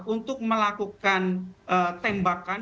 untuk melakukan tembakan